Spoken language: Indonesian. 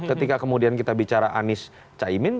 ketika kemudian kita bicara anies caimin